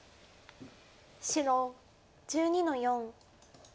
白１２の四。